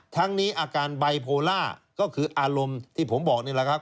ทั้งนี้อาการไบโพล่าก็คืออารมณ์ที่ผมบอกนี่แหละครับ